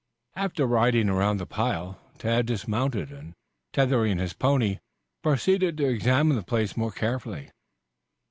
After riding around the pile, Tad dismounted, and, tethering his pony, proceeded to examine the place more carefully.